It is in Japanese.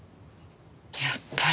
やっぱり。